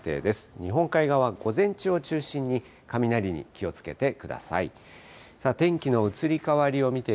日本海側、午前中を中心に雷に気をつけてください。